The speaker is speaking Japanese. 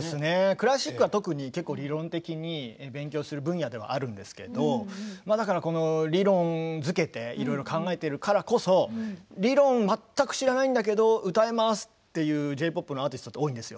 クラシックは理論的に勉強する分野ではあるんですけれども理論づけていろいろ考えてるからこそ理論を全く知らないんだけど歌えますっていう、Ｊ−ＰＯＰのアーティストも多いんですよ。